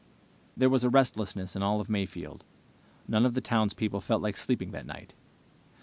There was a restlessness in all of Mayfield. None of the townspeople felt like sleeping that night.